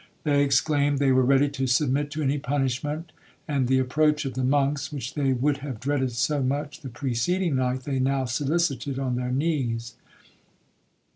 They exclaimed they were ready to submit to any punishment; and the approach of the monks, which they would have dreaded so much the preceding night, they now solicited on their knees.